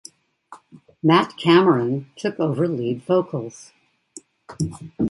Matt Cameron took over lead vocals.